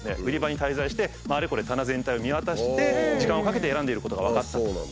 売り場に滞在してあれこれ棚全体を見渡して時間をかけて選んでいることが分かったと。